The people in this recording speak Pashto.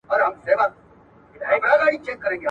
شرکتونه باید ناوخته راتلل او غیرحاضري تحلیل کړي.